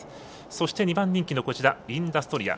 そして２番人気のインダストリア。